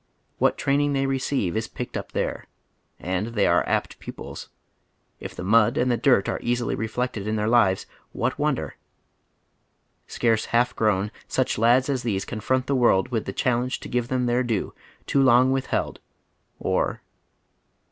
What training they receive is picked up there. And they are apt pupils. If the nmd and the dirt are easily re flected in their lives, what wonder? Scarce half grown, such lads as these confront the world with the challenge to give them their due, too long withheld, or